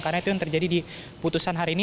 karena itu yang terjadi di putusan hari ini